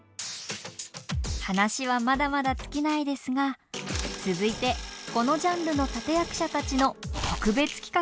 話はまだまだ尽きないですが続いてこのジャンルの立て役者たちの特別企画です！